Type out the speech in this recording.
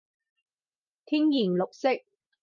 天然綠色